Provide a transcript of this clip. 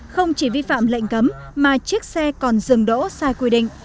không chỉ vi phạm lệnh cấm mà chiếc xe còn dừng đỗ sai quy định